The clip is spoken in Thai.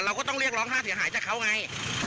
เราก็ต้องเลี่ยงร้องห้าเสียหายจากเขาไง